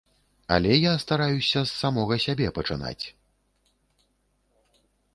Але я стараюся з самога сябе пачынаць.